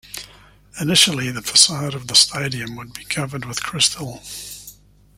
Initially the facade of the stadium would be covered with crystal.